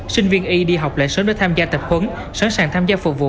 sinh viên y đi học lại sớm để tham gia tập huấn sẵn sàng tham gia phục vụ